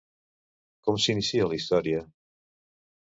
Com s'inicia la història?